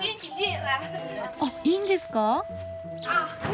あっいいんですか？